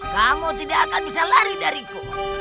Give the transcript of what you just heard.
kamu tidak akan bisa lari dariku